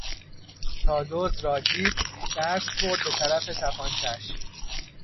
تا دزد را دید دست برد به طرف تپانچهاش.